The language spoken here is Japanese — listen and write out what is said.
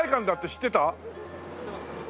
知ってます。